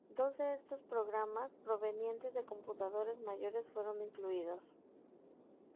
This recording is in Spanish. Dos de esos programas provenientes de computadores mayores fueron incluidos.